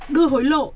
đưa hối lộ